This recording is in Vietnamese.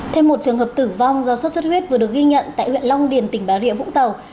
thêm một trường hợp tử vong do sốt xuất huyết vừa được ghi nhận tại huyện long điền tỉnh bà rịa vũng tàu